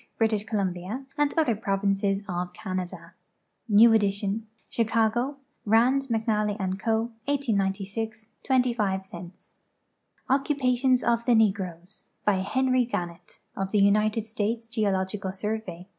British Columbia, and other provinces of Canada. New edition. Chicago: Rand, McNally & Co. 1890. 25 cents. Occupations of the Negroes. By Henry Gannett, of the United States Geo logical Survey.